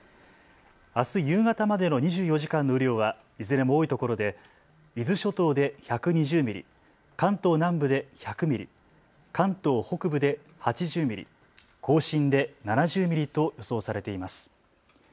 あす夕方までの２４時間の雨量はいずれも多いところで伊豆諸島で１２０ミリ、関東南部で１００ミリ、関東北部で８０ミリ、甲信で７０ミリと予想されています。